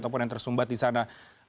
ataupun yang tersumbat di sana